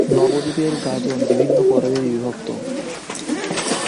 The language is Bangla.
নবদ্বীপের গাজন বিভিন্ন পর্বে বিভক্ত।